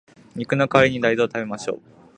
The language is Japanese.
肉の代わりに大豆を食べましょう